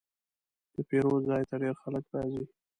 د پیرود ځای ته ډېر خلک راځي.